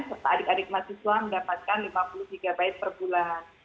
serta adik adik mahasiswa mendapatkan lima puluh gb per bulan